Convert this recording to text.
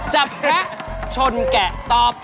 จับแพะชนแกะตอบ